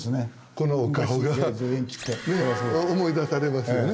このお顔が思い出されますよね。